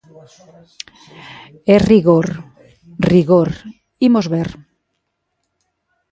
E rigor, rigor, imos ver.